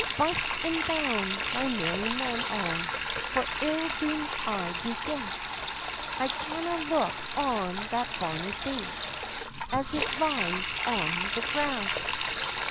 "Busk and boun, my merry men all, For ill dooms I do guess; I canna look on that bonnie face, As it lyes on the grass!"